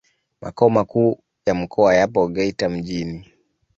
Makao makuu ya mkoa yapo Geita mjini.